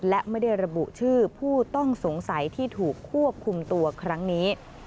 และไม่ได้ระบุชื่อผู้ต้องสงสัยที่ถูกควบคุมตัวครั้งนี้